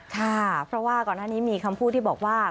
ค่ะเพราะว่าก่อนหน้านี้มีคำพูดที่บอกว่า